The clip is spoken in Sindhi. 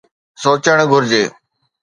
سوچڻ گهرجي.